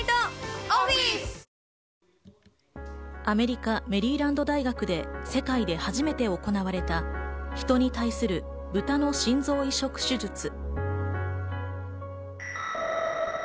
アメリカ・メリーランド大学で世界で初めて行われた人に対するブタの心臓移植手術。